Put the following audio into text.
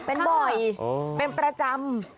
เป็นบ่อยเป็นประจำ